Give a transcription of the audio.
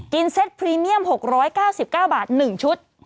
เซ็ตพรีเมียม๖๙๙บาท๑ชุด